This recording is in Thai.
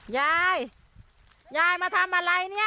ยายยายมาทำอะไรเนี่ย